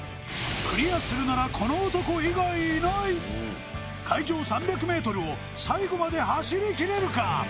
クリアするならこの男以外いない海上３００ｍを最後まで走り切れるか？